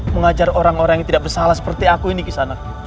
mengajar orang orang yang tidak bersalah seperti aku ini di sana